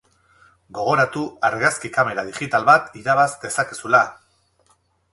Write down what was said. Gogoratu argazki kamera digital bat irabaz dezakezula!